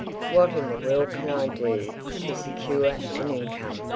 "What in the world can I do to secure an income?"